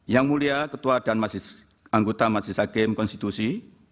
yang mulia ketua dan anggota majelis hakim konstitusi